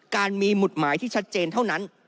การมีหมุดหมายที่ชัดเจนเท่านั้น